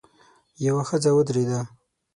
يوه ښځه ودرېده.